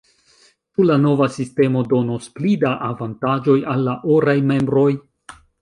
Ĉu la nova sistemo donos pli da avantaĝoj al la oraj membroj?